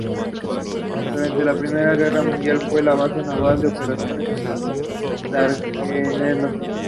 Durante la Primera Guerra Mundial fue una base naval de operaciones en los Dardanelos.